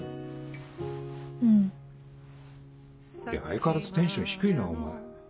相変わらずテンション低いなお前。